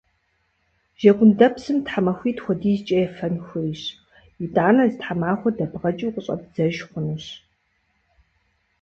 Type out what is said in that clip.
Жэгундэпсым тхьэмахуитӏ хуэдизкӏэ ефэн хуейщ. Итӏанэ зы тхьэмахуэ дэбгъэкӏыу къыщӏэбдзэж хъунущ.